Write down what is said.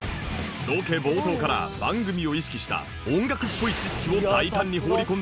ロケ冒頭から番組を意識した音楽っぽい知識を大胆に放り込んできた ＳＡＫＵＲＡＩ